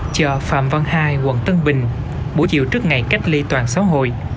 chợ phạm văn hai quận tân bình buổi chiều trước ngày cách ly toàn xã hội